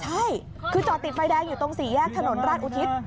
ใช่คือจอดติดไฟแดงอยู่ตรงสี่แยกถนนราชอุทิศ